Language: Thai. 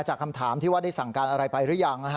คำถามที่ว่าได้สั่งการอะไรไปหรือยัง